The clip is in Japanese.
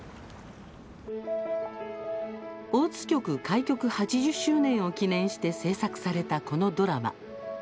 大津局開局８０周年を記念して制作されたこのドラマ。